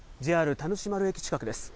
田主丸駅近くです。